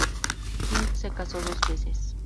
Knight se casó dos veces.